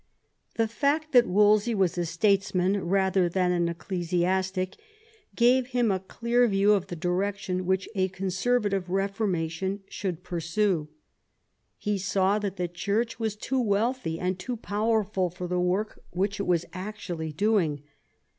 The fact that Wolsey was a statesman rather than an ^ ecclesiastic gave him a clear view of the direction which j^A a conservative reformation should pursue. He saw that the Church was too wealthy and too powerful for the work which it was actually doing.